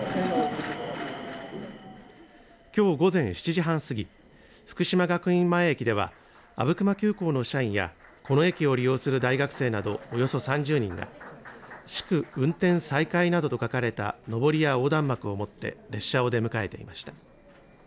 きょう午前７時半過ぎ、福島学院前駅では阿武隈急行の社員やこの駅を利用する大学生など、およそ３０人が、祝運転再開などと書かれたのぼりや横断幕を持って列車を出迎えていました。